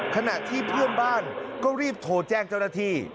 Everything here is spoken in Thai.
ขณะที่เพื่อนบ้านก็รีบโทรแจ้งเจ้าหน้าที่